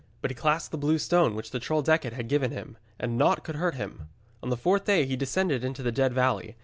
But he clasped the blue stone which the troll Decet had given him, and naught could hurt him. On the fourth day he descended into the Dead Valley.